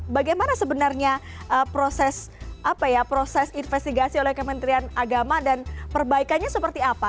bagaimana sebenarnya proses apa ya proses investigasi oleh kementerian agama dan perbaikannya seperti apa